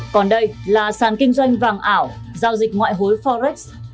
còn đây là sàn kinh doanh vàng ảo giao dịch ngoại hối forex